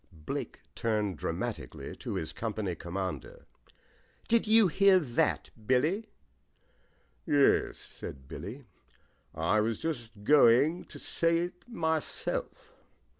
Blake turned dramatically to his company commander. "Did you hear that, Billy?" he asked. "Yes," said Billy. "I was just going to say it myself."